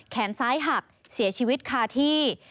แขนซ้ายหักเสียชีวิตคาที่